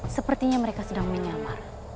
sepertinya mereka sedang menyamar